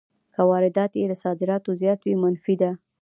که واردات یې له صادراتو زیات وي منفي ده